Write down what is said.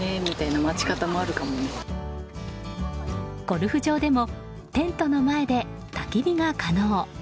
ゴルフ場でもテントの前でたき火が可能。